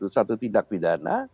satu tindak pidana